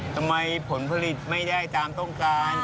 ผลผลิตไม่ได้ตามต้องการ